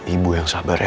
ibu yang sabar ya